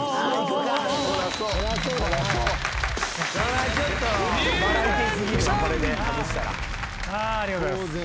ありがとうございます。